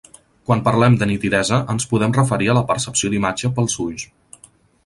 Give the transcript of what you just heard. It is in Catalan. Quan parlem de nitidesa ens podem referir a la percepció d’imatges pels ulls.